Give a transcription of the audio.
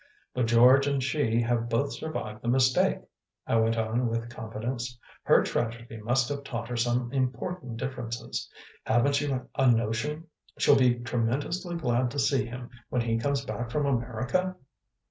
"But George and she have both survived the mistake," I went on with confidence. "Her tragedy must have taught her some important differences. Haven't you a notion she'll be tremendously glad to see him when he comes back from America?"